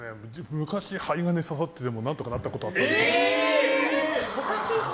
昔針金が刺さっても何とかなったことあったんです。